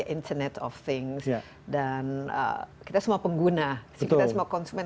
internet of things dan kita semua pengguna kita semua konsumen